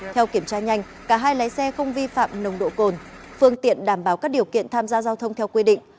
theo kiểm tra nhanh cả hai lái xe không vi phạm nồng độ cồn phương tiện đảm bảo các điều kiện tham gia giao thông theo quy định